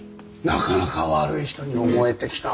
なかなか悪い人に思えてきた。